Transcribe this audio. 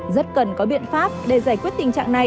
rất cần có biện pháp để giải quyết tình trạng này